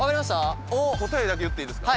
おっ答えだけ言っていいですか？